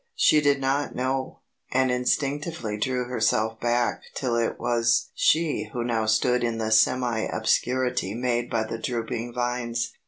She did not know, and instinctively drew herself back till it was she who now stood in the semi obscurity made by the drooping vines.